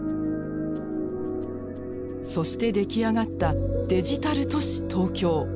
そして出来上がったデジタル都市東京。